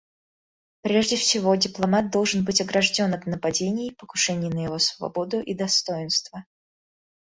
Прежде всего, дипломат должен быть огражден от нападений, покушений на его свободу и достоинство.